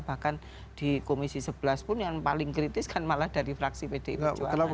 bahkan di komisi sebelas pun yang paling kritis kan malah dari fraksi pdi perjuangan